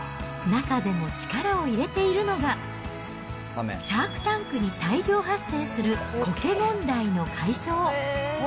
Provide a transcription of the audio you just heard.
中でも力を入れているのが、シャークタンクに大量発生するこけ問題の解消。